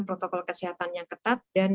protokol kesehatan yang ketat dan